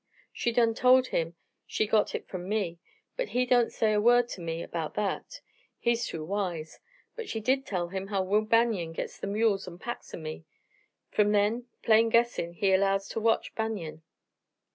"She done told him she got hit from me, but he don't say a word ter me erbout that; he's too wise. But she did tell him how Will Banion gits some mules an' packs o' me. From then, plain guessin', he allows ter watch Banion.